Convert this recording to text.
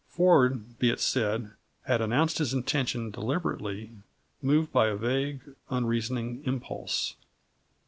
Ford, be it said, had announced his intention deliberately, moved by a vague, unreasoning impulse.